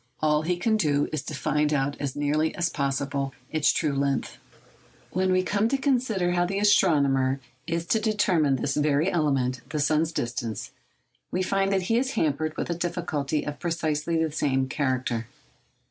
All he can do is to find out as nearly as possible its true length. When we come to consider how the astronomer is to determine this very element—the sun's distance—we find that he is hampered with a difficulty of precisely the same character.